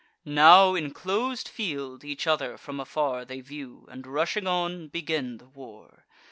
Now, in clos'd field, each other from afar They view; and, rushing on, begin the war.